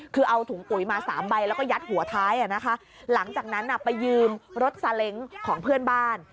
คือเอาถุงปุ๋ยมาสามใบแล้วก็ยัดหัวท้ายอ่ะนะคะหลังจากนั้นไปยืมรถซาเล้งของเพื่อนบ้าน